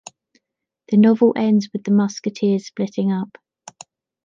The novel ends with the musketeers splitting up.